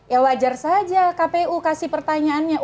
ya wajar saja kpu kasih pertanyaannya